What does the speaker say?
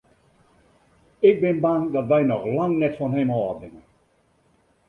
Ik bin bang dat wy noch lang net fan him ôf binne.